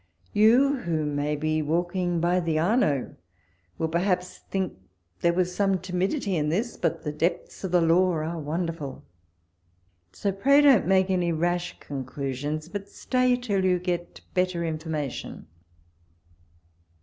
You, who may be walking by the Arno, will, perhaps, think there 131 walpole's letters. was some timidity in this ; but the depths of the Law are wonderful ! So pray don't make any rash conclusions, but stay till you get better in formation.